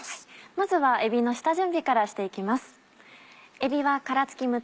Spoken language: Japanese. まずはえびの下準備からして行きます。